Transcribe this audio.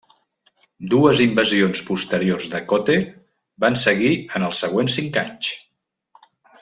Dues invasions posteriors de Kotte van seguir en els següents cinc anys.